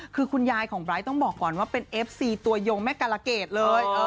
คือคุณยายของไร้ต้องบอกก่อนว่าเป็นเอฟซีตัวยงแม่กาลเกดเลย